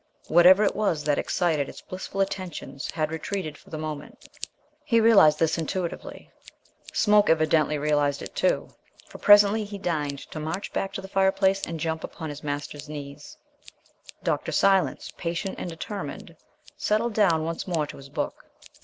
Whatever it was that excited its blissful attentions had retreated for the moment. He realized this intuitively. Smoke evidently realized it, too, for presently he deigned to march back to the fireplace and jump upon his master's knees. Dr. Silence, patient and determined, settled down once more to his book.